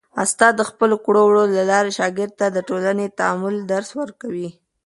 استاد د خپلو کړو وړو د لارې شاګرد ته د ټولنیز تعامل درس ورکوي.